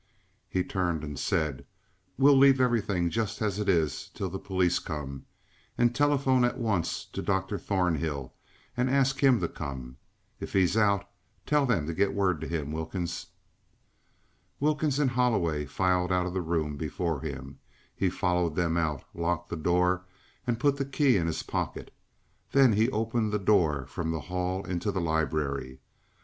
He turned and said: "We will leave everything just as it is till the police come. And telephone at once to Doctor Thornhill, and ask him to come. If he is out, tell them to get word to him, Wilkins." Wilkins and Holloway filed out of the room before him; he followed them out, locked the door and put the key in his pocket. Then he opened the door from the hall into the library.